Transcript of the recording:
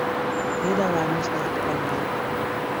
Piedāvāju noslēgt pamieru.